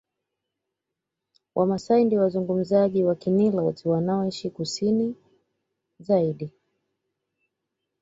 Wamasai ndio wazungumzaji wa Kiniloti wanaoishi Kusini zaidi